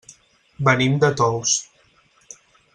Venim de Tous.